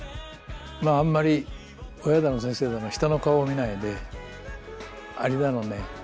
まああんまり親だの先生だの人の顔を見ないでアリだのね